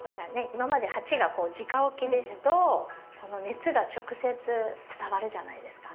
今まで鉢がじか置きですと熱が直接伝わるじゃないですか。